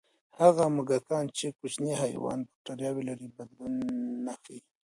هغه موږکان چې کوچني حیوان بکتریاوې لري، بدلون نه ښيي.